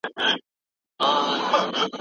واکسن د ناروغ ټومور کمولی شي.